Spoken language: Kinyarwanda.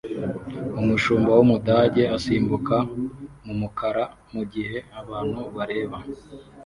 Umushumba wumudage usimbuka mumukara mugihe abantu bareba